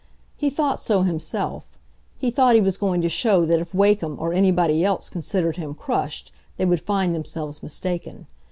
He thought so himself; he thought he was going to show that if Wakem or anybody else considered him crushed, they would find themselves mistaken.